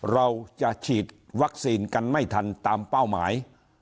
เราจะฉีดวัคซีนกันไม่ทันตามเป้าหมาย